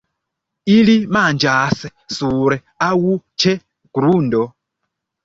Ili manĝas sur aŭ ĉe grundo.